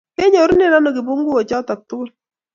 Kenyorunen ano kibunguok choto tugul?